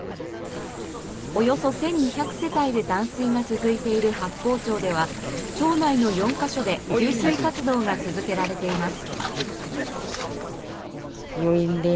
およそ１２００世帯で断水が続いている八峰町では町内の４か所で給水活動が続けられています。